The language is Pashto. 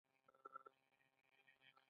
ایا زه باید له ډوډۍ وروسته اوبه وڅښم؟